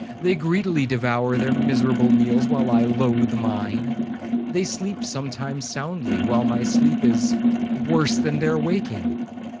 They greedily devour their miserable meals, while I loathe mine. They sleep sometimes soundly, while my sleep is—worse than their waking.